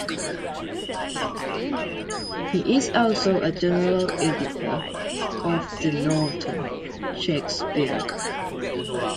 He is also a general editor of the "Norton Shakespeare".